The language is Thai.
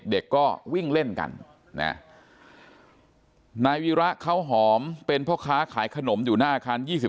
เด็กก็วิ่งเล่นกันนะนายวีระเขาหอมเป็นพ่อค้าขายขนมอยู่หน้าอาคาร๒๕